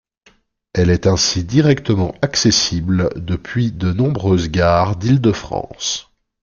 Elle est ainsi directement accessible depuis de nombreuses gares d’Île-de-France.